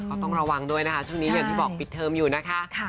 ต้องระวังด้วยนะคะช่วงนี้อย่างที่บอกปิดเทอมอยู่นะคะ